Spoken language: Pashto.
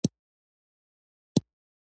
همېشه په ژوند کښي لوړ مقام وټاکئ!